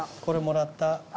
これもらった。